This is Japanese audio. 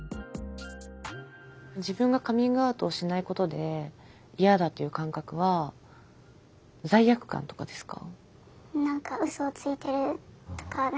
自分がカミングアウトをしないことで嫌だという感覚は罪悪感とかですか？